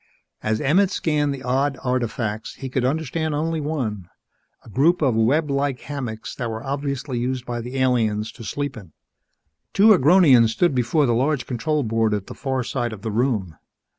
As Emmett scanned the odd artifacts, he could understand only one a group of web like hammocks that were obviously used by the aliens to sleep in. Two Agronians stood before the large control board at the far side of the room.